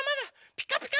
ピカピカ！